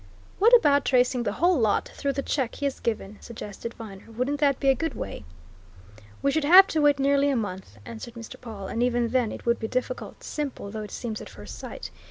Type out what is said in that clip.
"What about tracing the whole lot through the check he has given?" suggested Viner. "Wouldn't that be a good way?" "We should have to wait nearly a month," answered Mr. Pawle. "And even then it would be difficult simple though it seems at first sight.